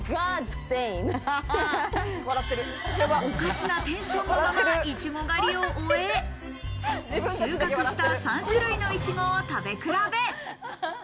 おかしなテンションのままイチゴ狩りを終え、収穫した３種類のいちごを食べ比べ。